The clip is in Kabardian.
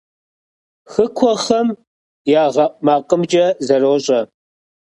Хыкхъуэхэм ягъэӏу макъымкӏэ зэрощӏэ.